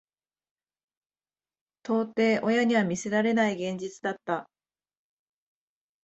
到底親には見せられない現実だった。